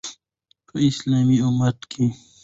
په اسلامي امت کې